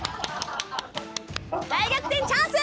大逆転チャンス！